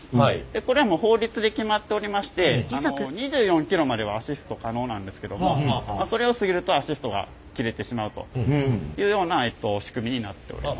これはもう法律で決まっておりまして２４キロまではアシスト可能なんですけどもそれを過ぎるとアシストが切れてしまうというような仕組みになっております。